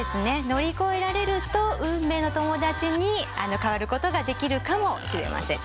乗り越えられると運命の友だちに変わることができるかもしれません。